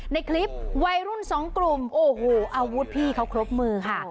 ในคลิปวัยรุ่นสองกลุ่มโอ้โหอาวุธพี่เขาครบมือค่ะ